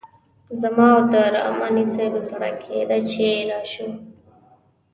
زما او د رحماني صیب زړه کیده چې راشو.